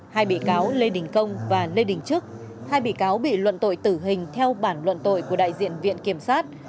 hai bị cáo lê đình công và lê đình trức hai bị cáo bị luận tội tử hình theo bản luận tội của đại diện viện kiểm sát